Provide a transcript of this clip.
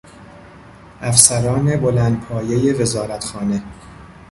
افسران بلندپایهی وزارتخانه